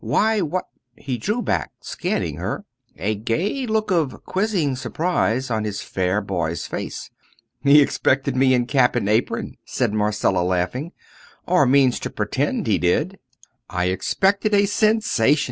Why, what " He drew back scanning her, a gay look of quizzing surprise on his fair boy's face. "He expected me in cap and apron," said Marcella, laughing; "or means to pretend he did." "I expected a sensation!